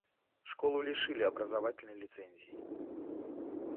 Школу лишили образовательной лицензии.